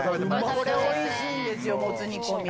これ、おいしいんですよ、もつ煮込み。